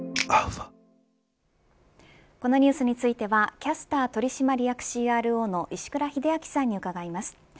このニュースについてはキャスター取締役ＣＲＯの石倉秀明さんに伺います。